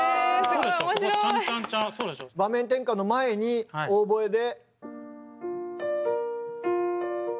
場面転換の前にオーボエで。